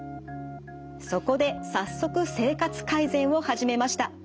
そこで早速生活改善を始めました。